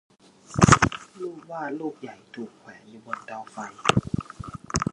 รูปวาดรูปใหญ่ถูกแขวนอยู่บนเตาไฟ